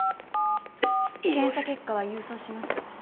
検査結果は郵送します。